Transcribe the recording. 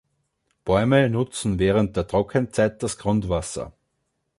Bäume nutzen während der Trockenzeit das Grundwasser.